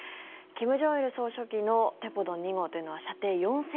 金正日総書記のテポドン２号というのは射程４０００ｋｍ。